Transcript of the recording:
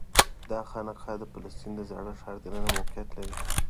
دا خانقاه د فلسطین د زاړه ښار دننه موقعیت لري.